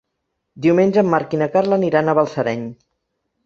Diumenge en Marc i na Carla aniran a Balsareny.